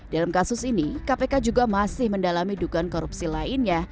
dalam kasus ini kpk juga masih mendalami dugaan korupsi lainnya